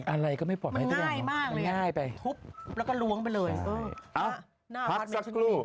อะไรก็ไม่ปลอดภัยสักแล้วมันง่ายไปทุบแล้วก็ล้วงไปเลยเออน่าพักสักลู